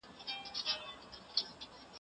زه مخکي د زده کړو تمرين کړی وو.